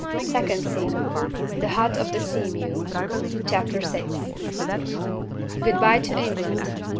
Second Scene The Hut of the Sea mew. Chapter 6. Good by to England!